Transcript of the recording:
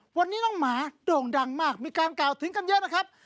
วันนี้น้องหมาโด่งดังมากมีการกล่าวถึงกันเยอะนะครับ